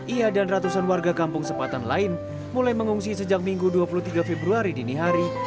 ia dan ratusan warga kampung sepatan lain mulai mengungsi sejak minggu dua puluh tiga februari dini hari